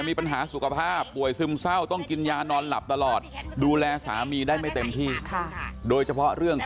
คุณพี่บอกว่าเหมือนบางเรื่องแต่บางเรื่องก็ยังไม่ได้พิสูจน์เลยนะว่าเหมือนเมียจริงหรือเปล่า